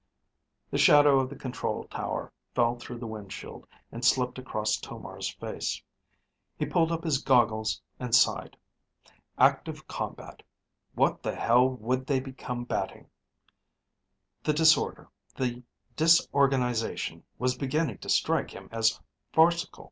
The shadow of the control tower fell through the windshield and slipped across Tomar's face. He pulled up his goggles and sighed. Active combat. What the hell would they be combating? The disorder, the disorganization was beginning to strike him as farcical.